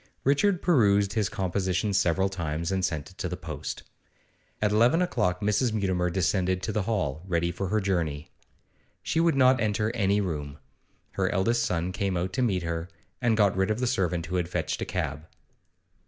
Richard perused his composition several times, and sent it to the post. At eleven o'clock Mrs. Mutimer descended to the hall, ready for her journey. She would not enter any room. Her eldest son came out to meet her, and got rid of the servant who had fetched a cab.